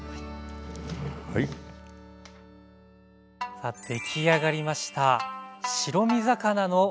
さあ出来上がりました。